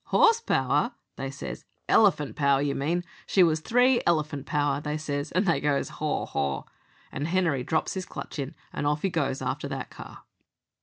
"'Horse power,' they says; 'elephant power, you mean! She was three elephant power,' they says; and they goes 'Haw, haw!' and Henery drops his clutch in, and off he goes after that car."